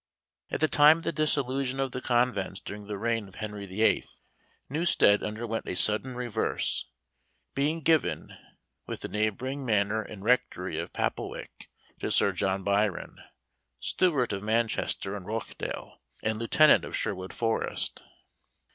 At the time of the dissolution of the convents during the reign of Henry VIII., Newstead underwent a sudden reverse, being given, with the neighboring manor and rectory of Papelwick, to Sir John Byron, Steward of Manchester and Rochdale, and Lieutenant of Sherwood Forest.